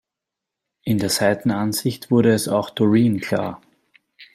In der Seitenansicht wurde es auch Doreen klar.